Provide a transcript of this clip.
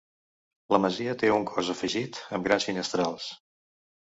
La masia té un cos afegit amb grans finestrals.